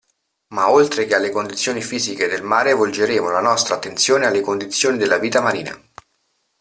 Ma oltre che alle condizioni fisiche del mare volgeremo la nostra attenzione alle condizioni della vita marina.